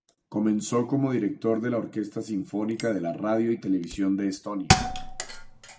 Comenzó como director de la Orquesta sinfónica de la radio y televisión de Estonia.